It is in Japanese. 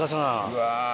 うわ。